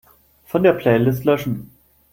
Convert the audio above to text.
Von der Playlist löschen.